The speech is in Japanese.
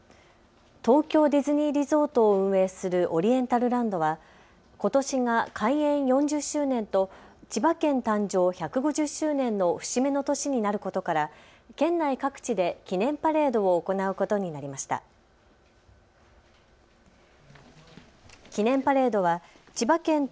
東京ディズニーリゾートを運営するオリエンタルランドはことしが開園４０周年と千葉県誕生１５０周年の節目の年になることから県内各地で記念パレードを行うことになりました。